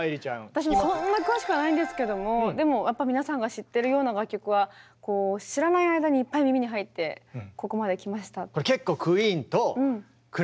私もそんな詳しくはないんですけどもでも皆さんが知ってるような楽曲は知らない間にいっぱい耳に入ってここまできました。